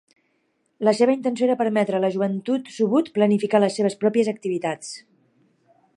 La seva intenció era permetre a la joventut subud planificar les seves pròpies activitats.